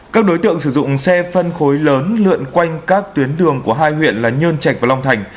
các đối tượng sử dụng xe phân khối lớn lượn quanh các tuyến đường của hai huyện là nhơn trạch và long thành